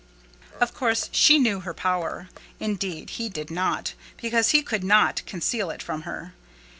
Of course, she knew her power: indeed, he did not, because he could not, conceal it from her.